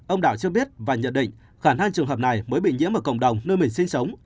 ông đảo chưa biết và nhận định khả năng trường hợp này mới bị nhiễm ở cộng đồng nơi mình sinh sống